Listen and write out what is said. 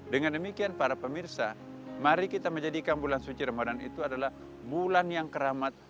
dengan demikian para pemirsa mari kita menjadikan bulan suci ramadan itu adalah bulan yang keramat